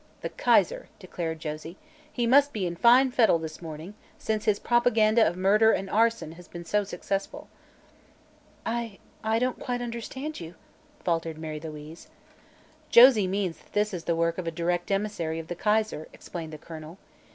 "The Kaiser," declared Josie. "He must be in fine fettle this morning, since his propaganda of murder and arson has been so successful." "I I don't quite understand you," faltered Mary Louise. "Josie means that this is the work of a direct emissary of the Kaiser," explained the colonel.